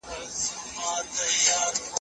شعر د لوستونکي په ذهن اغیز کوي.